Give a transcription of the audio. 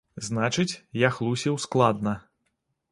Значыць, я хлусіў складна.